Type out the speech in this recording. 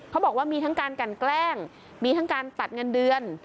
เขาบอกว่ามีทั้งการกันแกล้งมีทั้งการตัดเงินเดือน